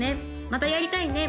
またやりたいね・